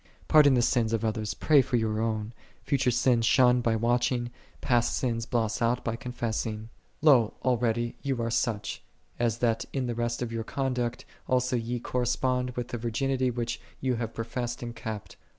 Pardon the sins of others, pray for your own: future .sins shun by watching, past sins blot out by confessing. 54. Lo, already ye are such, as that in the rest of your conduct also ye correspond with the virginity which ye have professed and kept.